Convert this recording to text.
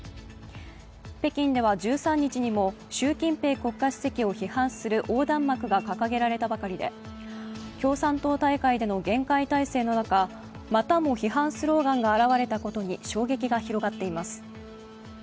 北京では１３日にも習近平国家主席を批判する横断幕が掲げられたばかりで共産党大会での厳戒態勢の中、またも批判スローガンが現れたことに衝撃が広がっています。